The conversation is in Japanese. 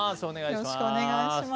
よろしくお願いします。